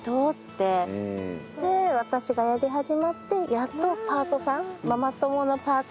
で私がやり始めてやっとパートさん。